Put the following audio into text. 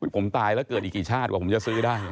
ผมตายแล้วเกิดอีกกี่ชาติกว่าผมจะซื้อได้